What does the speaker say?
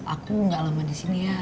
aku gak lama di sini ya